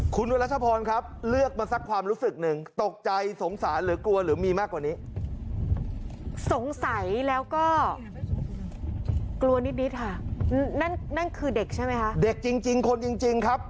กูจะรู้สึกตกใจสงสารหรือกูจะกลัวดีครับ